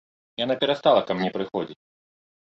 Яна перастала ка мне прыходзіць.